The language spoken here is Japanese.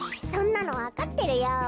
そんなのわかってるよ！